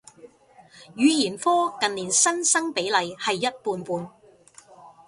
語言科近年新生比例係一半半